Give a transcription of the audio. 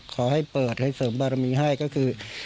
ขอให้เปิดให้เสริมบารมีให้ก็คือ